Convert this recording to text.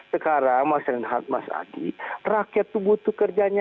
sekarang mas reinhardt mas adi rakyat itu butuh kerjanya